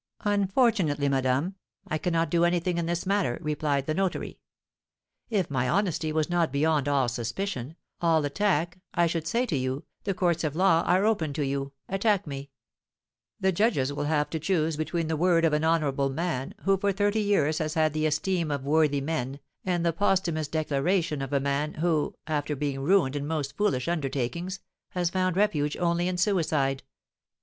'Unfortunately, madame, I cannot do anything in this matter,' replied the notary. 'If my honesty was not beyond all suspicion, all attack, I should say to you, the courts of law are open to you, attack me; the judges will have to choose between the word of an honourable man, who for thirty years has had the esteem of worthy men, and the posthumous declaration of a man who, after being ruined in most foolish undertakings, has found refuge only in suicide.